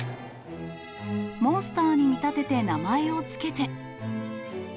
モンスターに見立てて名前を付けて。